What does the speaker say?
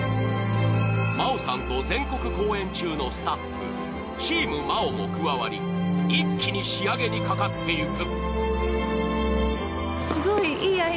真央さんと全国公演中のスタッフチーム真央も加わり、一気に仕上げにかかっていく。